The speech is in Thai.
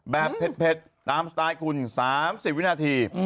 เผ็ดตามสไตล์คุณ๓๐วินาที